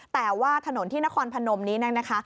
แต่ว่าถนนที่นครพนมนี้นะคะ